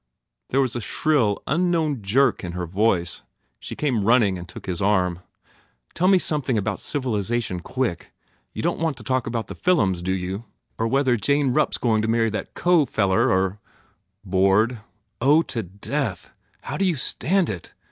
There was a shrill, unknown jerk in her voice. She came running and took his arm. Tell me something about civilization quick! You don t want to talk about the fil lums do you? Or whether Jane Rupp s going to marry that Coe feller or" "Bored?" "Oh to death! How do you stand it?